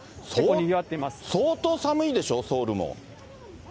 相当寒いでしょ、ソウルも。